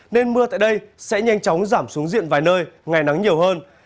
nên mưa tại đây sẽ nhanh chóng giảm xuống diện vài nơi ngày nắng nhiều hơn